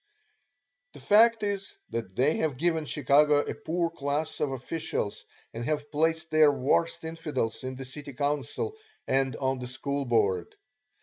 The fact is that they have given Chicago a poor class of officials and have placed their worst infidels in the city council and on the school board.